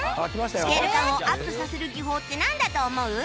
スケール感をアップさせる技法ってなんだと思う？